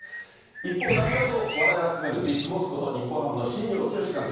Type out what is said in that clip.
一方、何かと話題を集めるビッグボスこと、日本ハムの新庄剛志監督。